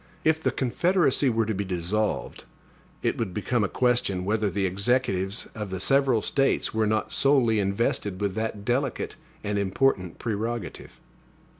If the Confederacy were to be dissolved, it would become a question, whether the Executives of the several States were not solely invested with that delicate and important prerogative.